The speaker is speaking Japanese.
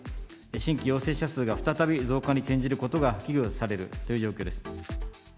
新規陽性者数が再び増加に転じることが危惧されるという状況です。